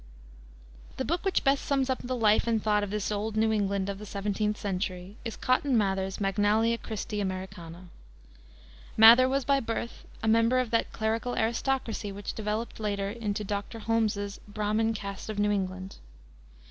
The book which best sums up the life and thought of this old New England of the seventeenth century is Cotton Mather's Magnalia Christi Americana. Mather was by birth a member of that clerical aristocracy which developed later into Dr. Holmes's "Brahmin Caste of New England."